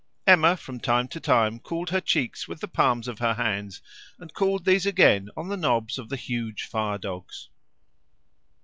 Emma from time to time cooled her cheeks with the palms of her hands, and cooled these again on the knobs of the huge fire dogs.